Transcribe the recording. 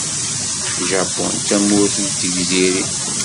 Japun d tamurt n tegzirin.